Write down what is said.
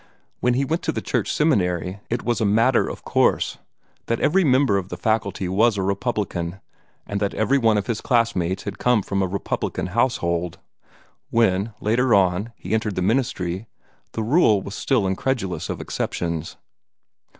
When he went to the Church Seminary, it was a matter of course that every member of the faculty was a Republican, and that every one of his classmates had come from a Republican household. When, later on, he entered the ministry, the rule was still incredulous of exceptions.